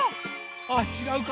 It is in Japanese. あちがうか。